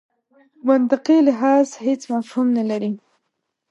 منطقي لحاظ هېڅ مفهوم نه لري.